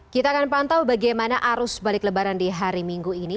kita akan pantau bagaimana arus balik lebaran di hari minggu ini